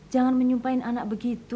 jangan menyumpahkan anak begitu